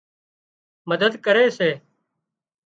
مدد ڪري سي